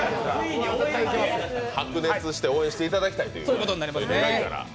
白熱して応援していただきたいということですから。